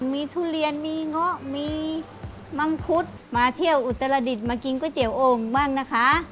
มีทุเรียนมีเงาะมีมังคุดมาเที่ยวอุตรดิษฐ์มากินก๋วเตี๋ยโอ่งบ้างนะคะ